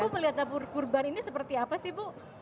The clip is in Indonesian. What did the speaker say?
bu melihat dapur kurban ini seperti apa sih bu